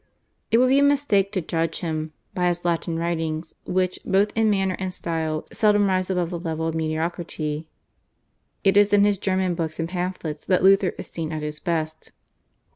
It would be a mistake to judge him by his Latin writings, which, both in manner and style, seldom rise above the level of mediocrity. It is in his German books and pamphlets that Luther is seen at his best.